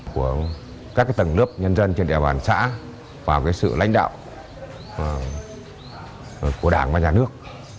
của các tầng lớp nhân dân trên đại bản xã và sự lãnh đạo của đảng và nhà nước